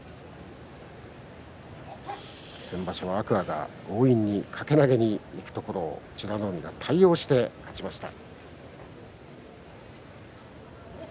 先場所は天空海が強引に掛け投げにいくところを美ノ海が対応して勝ちました。